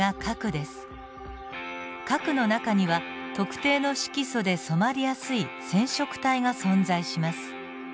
核の中には特定の色素で染まりやすい染色体が存在します。